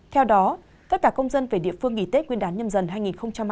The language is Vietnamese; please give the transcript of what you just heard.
theo đó tất cả công dân về địa phương nghỉ tết nguyên đán nhâm dần hai nghìn hai mươi bốn